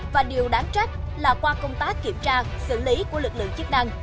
và điều đáng trách là qua công tác kiểm tra xử lý của lực lượng chức năng